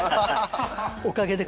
おかげで。